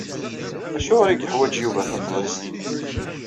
Acuɣer i yeḥwaǧ Yuba tafḍist?